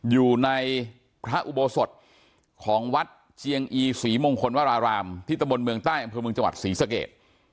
อยู่ในพระอุโบสถของวัดเจียงอีศรีมงคลวรารามที่ตะบนเมืองใต้อำเภอเมืองจังหวัดศรีสเกต